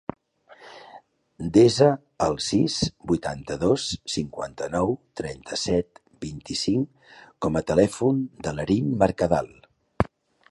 Desa el sis, vuitanta-dos, cinquanta-nou, trenta-set, vint-i-cinc com a telèfon de l'Erin Mercadal.